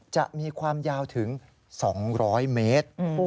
จะมีความยาวถึง๒๐๐เมตร